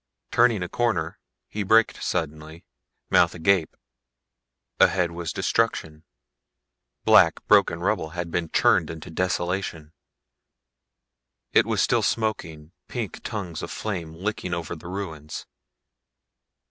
Turning a corner, he braked suddenly, mouth agape. Ahead was destruction. Black, broken rubble had been churned into desolation. It was still smoking, pink tongues of flame licking over the ruins.